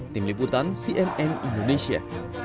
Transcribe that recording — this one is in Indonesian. tim liputan cnn indonesia